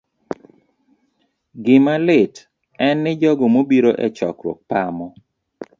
Gima lit en ni jogo mobiro e chokruok pamo